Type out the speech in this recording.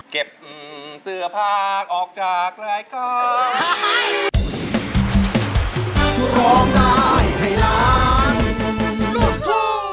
เก็บเก็บเสื้อผ้าออกจากลายจาก